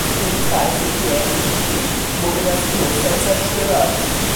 Im Dreißigjährigen Krieg wurde das Kloster zerstört.